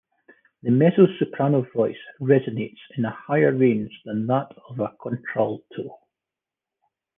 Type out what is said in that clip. The mezzo-soprano voice resonates in a higher range than that of a contralto.